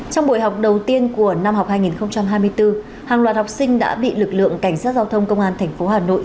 trong buổi học đầu tiên của năm học hai nghìn hai mươi bốn hàng loạt học sinh đã bị lực lượng cảnh sát giao thông công an tp hà nội